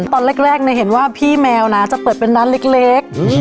ตอนแรกเห็นว่าพี่แมวนะจะเปิดเป็นร้านเล็ก